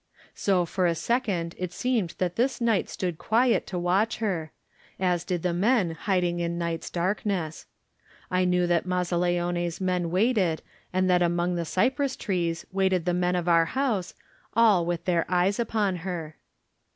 So for a second it seemed that this night stood quiet to watch her, as did the men hiding in night's darkness. I knew that Mazzaleone's men waited and that among the cypress trees waited the men of our house, all with their eyes upon her.